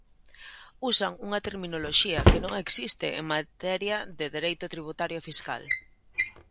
Usan unha terminoloxía que non existe en materia de dereito tributario e fiscal.